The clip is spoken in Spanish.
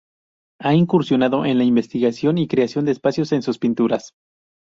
Ha incursionado en la investigación y creación de espacios en sus pinturas.